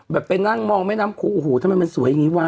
ไปนั่งมองแม่น้ำโขงโอ้โหทำไมมันสวยอย่างนี้วะ